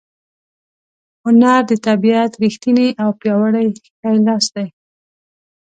هنر د طبیعت ریښتینی او پیاوړی ښی لاس دی.